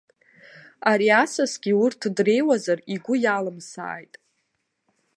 Ари асасгьы урт дреиуазар, игәы иалымсааит.